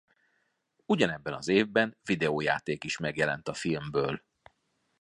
Ugyanebben az évben videójáték is megjelent a filmből.